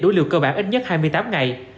đủ liều cơ bản ít nhất hai mươi tám ngày